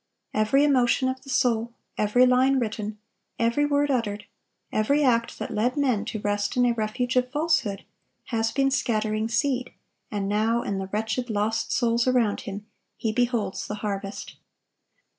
Every emotion of the soul, every line written, every word uttered, every act that led men to rest in a refuge of falsehood, has been scattering seed; and now, in the wretched, lost souls around him, he beholds the harvest.